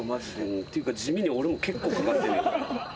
っていうか地味に俺も結構掛かってるやん。